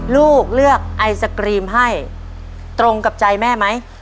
ลูกเลือกไอศกรีมให้ตรงกับใจแม่ไหม